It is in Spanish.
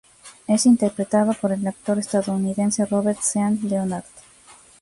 Es interpretado por el actor estadounidense Robert Sean Leonard.